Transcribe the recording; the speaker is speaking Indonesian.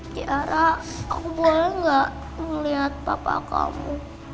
tiara aku boleh gak ngeliat papa kamu